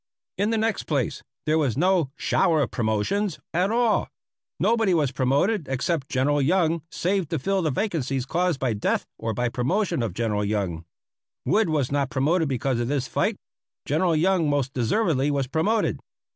In the next place, there was no "shower of promotions" at all. Nobody was promoted except General Young, save to fill the vacancies caused by death or by the promotion of General Young. Wood was not promoted because of this fight. General Young most deservedly was promoted.